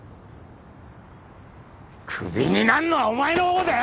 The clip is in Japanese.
クビになんのはお前のほうだよ！